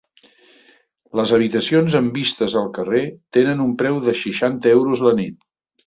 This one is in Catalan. Les habitacions amb vistes al carrer tenen un preu de seixanta euros la nit.